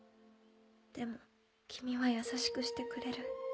でも君は優しくしてくれる。